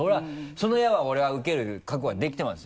その矢は俺は受ける覚悟はできてますよ。